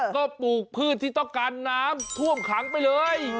ก็ปลูกพืชที่ต้องการน้ำท่วมขังไปเลย